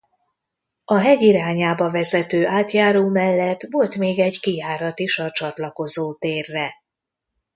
A hegy irányába vezető átjáró mellett volt még egy kijárat is a csatlakozó térre.